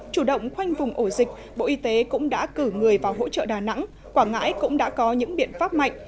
chủ động khoanh vùng ổ dịch bộ y tế cũng đã cử người vào hỗ trợ đà nẵng quảng ngãi cũng đã có những biện pháp mạnh